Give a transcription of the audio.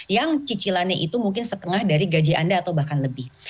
yang cicilannya itu mungkin setengah dari gaji anda atau bahkan lebih